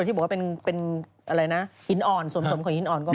โดยที่บอกว่าเป็นหินอ่อนส่วนผสมของหินอ่อน